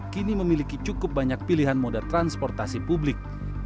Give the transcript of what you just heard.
kini memiliki cukup banyak pilihan moda transportasi publik